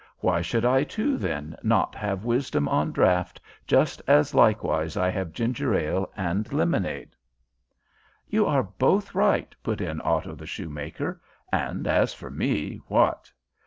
Why should I, too, then, not have wisdom on draught just as likewise I have ginger ale and lemonade?" "You are both right," put in Otto the Shoemaker. "And as for me, what?